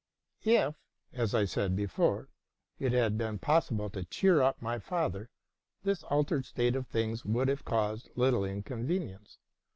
If, as I said before, it had been possible to cheer up my father, this altered state of things would have caused little inconvenience.